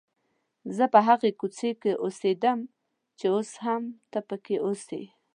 زه په هغې کوڅې کې اوسېدم چې اوس هم ته پکې اوسې.